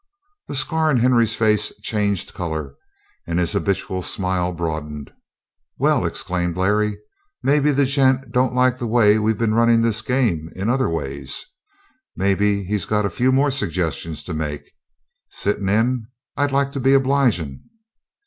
The scar on Henry's face changed color, and his habitual smile broadened. "Well!" exclaimed Larry. "Maybe the gent don't like the way we been runnin' this game in other ways. Maybe he's got a few more suggestions to make, sittin' in? I like to be obligin'."